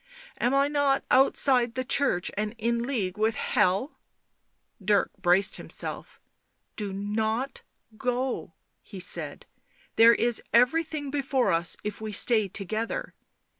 Am I not outside the Church and in league with Hell V' Dirk braced himself. " Do not go," he said. " There is everything before us if we stay together ...